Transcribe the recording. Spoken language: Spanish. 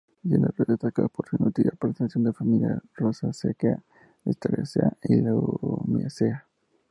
Siendo de destacar por su nutrida representación las familias Rosaceae, Asteraceae, y Lamiaceae.